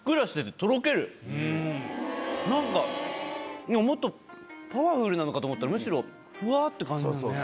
何かもっとパワフルなのかと思ったらむしろフワって感じだね。